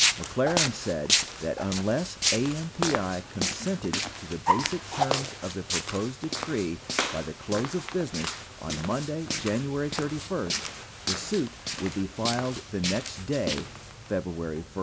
McLaren said that, unless AMPI consented to the basic terms of the proposed decree by the close of business on Monday, January 31, the suit would be filed the next day, February 1.